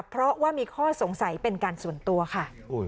เพราะว่ามีข้อสงสัยเป็นการส่วนตัวค่ะ